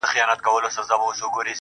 زنګ وهلی د خوشال د توري شرنګ یم.